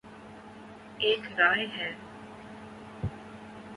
ایک رائے ہے۔